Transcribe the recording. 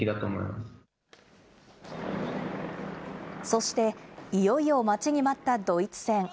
そして、いよいよ待ちに待ったドイツ戦。